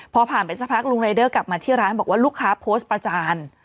พอผ่านไปสักพักลุงรายเดอร์กลับมาที่ร้านบอกว่าลูกค้าโพสต์ประจาน